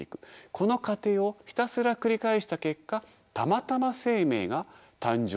この過程をひたすら繰り返した結果たまたま生命が誕生しただけです。